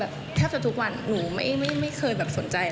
ค่ะมีคนติดต่อมา